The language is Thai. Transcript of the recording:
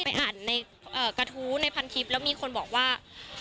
อ่านในกระทู้ในพันทิพย์แล้วมีคนบอกว่า